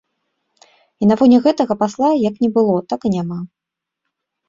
І на фоне гэтага пасла як не было, так і няма.